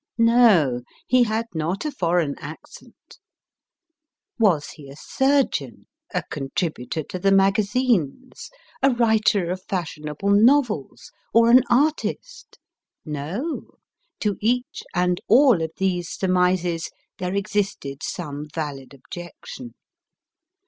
No, he had not a foreign accent. Was he a surgeon, a contributor to the magazines, a writer of fashionable novels, or an artist ? No ; to each and all of these surmises, there existed some valid objection.